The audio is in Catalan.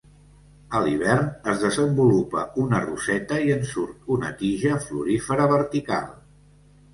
A l'hivern es desenvolupa una roseta i en surt una tija florífera vertical.